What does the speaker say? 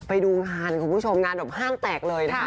ไปดูรางานคุณผู้ชมรางางบบห้างแตกเลย